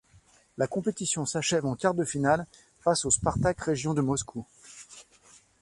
La compétition s'achève en quart de finale, face au Spartak région de Moscou.